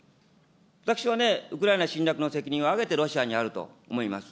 私はね、ウクライナ侵略の責任はあえてロシアにあると思います。